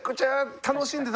楽しんでた。